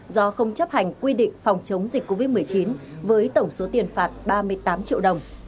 do không chấp hành quy định phòng chống dịch covid một mươi chín với tổng số tiền phạt ba mươi tám triệu đồng